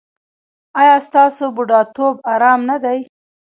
ایا ستاسو بوډاتوب ارام نه دی؟